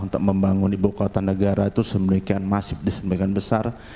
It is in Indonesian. untuk membangun ibu kota negara itu sebegian masif sebegian besar